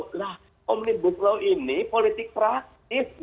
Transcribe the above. nah omnibus law ini politik praktis